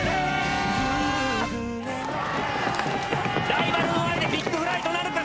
ライバルの前でビッグフライトなるか？